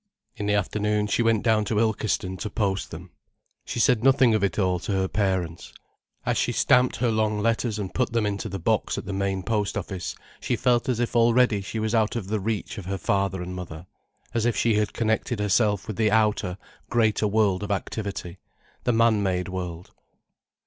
In the afternoon she went down to Ilkeston to post them. She said nothing of it all to her parents. As she stamped her long letters and put them into the box at the main post office she felt as if already she was out of the reach of her father and mother, as if she had connected herself with the outer, greater world of activity, the man made world.